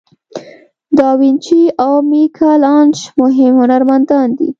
داوینچي او میکل آنژ مهم هنرمندان دي.